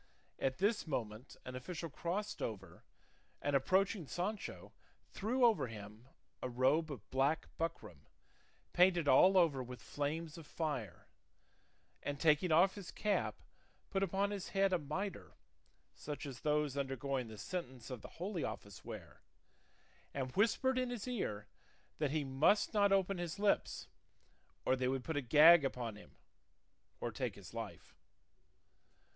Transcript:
At this moment an official crossed over, and approaching Sancho threw over him a robe of black buckram painted all over with flames of fire, and taking off his cap put upon his head a mitre such as those undergoing the sentence of the Holy Office wear; and whispered in his ear that he must not open his lips, or they would put a gag upon him, or take his life.